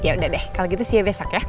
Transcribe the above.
yaudah deh kalo gitu siap besok ya